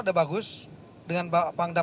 ada bagus dengan pak pangdam